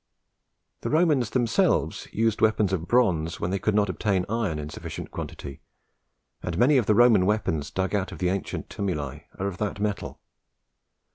The Romans themselves used weapons of bronze when they could not obtain iron in sufficient quantity, and many of the Roman weapons dug out of the ancient tumuli are of that metal.